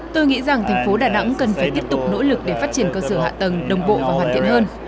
tôi nghĩ rằng thành phố đà nẵng cần phải tiếp tục nỗ lực để phát triển cơ sở hạ tầng đồng bộ và hoàn thiện hơn